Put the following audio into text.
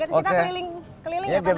kita olahraga kita keliling ya pak